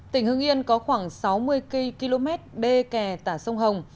tỉnh hưng yên có khoảng sáu mươi km đê kè tả sông hồng